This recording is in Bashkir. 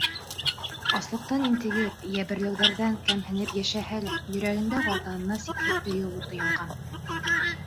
Аслыҡтан интегеп, йәберләүҙәрҙән кәмһенеп йәшәһә лә, йөрәгендә Ватанына сикһеҙ һөйөү уты янған...